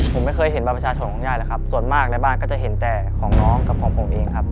ผมไม่เคยเห็นบัตรประชาชนของญาติเลยครับส่วนมากในบ้านก็จะเห็นแต่ของน้องกับของผมเองครับ